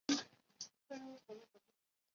普莱桑斯人口变化图示